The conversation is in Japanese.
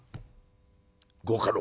「ご家老